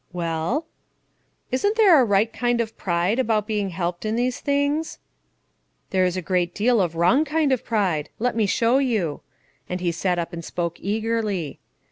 "Well?" "Isn't there a right kind of pride, about being helped in these things?" "There is a great deal of wrong kind of pride. Let me show you;" and he sat up and spoke eagerly.